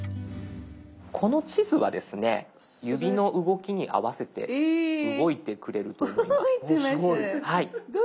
この地図はですね指の動きに合わせて動いてくれると思います。